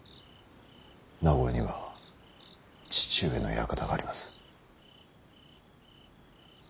名越には父上の館があります。